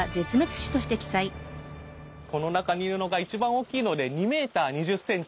この中にいるのが一番大きいので２ｍ２０ｃｍ。